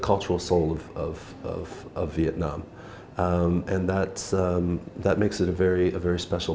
của việt nam trong năm hai nghìn